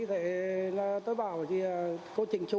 thế là tôi bảo thì cô chính chủ